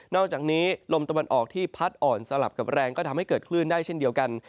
อกจากนี้ลมตะวันออกที่พัดอ่อนสลับกับแรงก็ทำให้เกิดคลื่นได้เช่นเดียวกัน